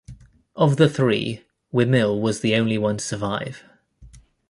Of the three, Wimille was the only one to survive.